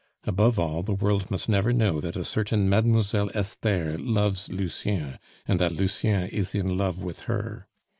Above all, the world must never know that a certain Mademoiselle Esther loves Lucien, and that Lucien is in love with her.